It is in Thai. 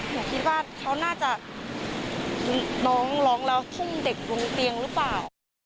หนูคิดว่าเขาน่าจะน้องร้องแล้วทุ่มเด็กลงเตียงหรือเปล่า